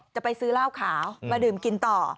จะไปซื้อเหล้าขาวมาดื่มกินต่อ